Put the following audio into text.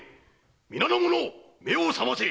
皆の者目を覚ませ！